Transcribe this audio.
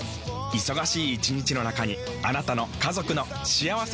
忙しい一日の中にあなたの家族の幸せな時間をつくります。